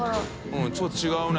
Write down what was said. Δちょっと違うね。